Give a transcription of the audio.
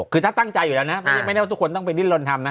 คือถ้าตั้งใจอยู่แล้วนะไม่ได้ว่าทุกคนต้องไปดิ้นลนทำนะ